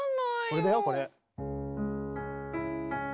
これだよこれ。